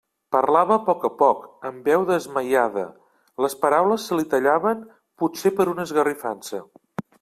Parlava a poc a poc, amb veu desmaiada; les paraules se li tallaven potser per una esgarrifança.